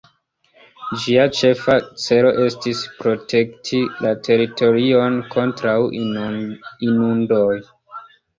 Ĝia ĉefa celo estis protekti la teritorion kontraŭ inundoj.